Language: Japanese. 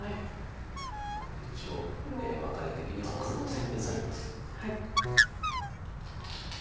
これで一応ワカレ的には黒の先手になります。